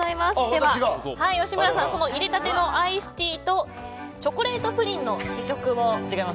では、吉村さんいれたてのアイスティーとチョコレートプリンの試食を。